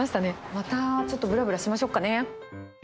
またちょっとぶらぶらしましょうかね。